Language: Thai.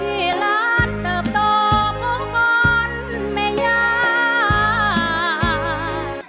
ที่ร้านเติบโตมุกมนต์ไม่ย้าน